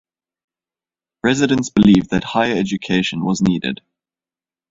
Residents believed that higher education was needed.